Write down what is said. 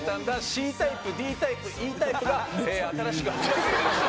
ＣタイプＤタイプＥタイプが新しく発売されました